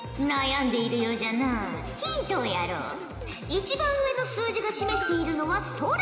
一番上の数字が示しているのはソラ。